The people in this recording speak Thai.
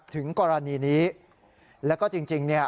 ถึงกรณีนี้แล้วก็จริงเนี่ย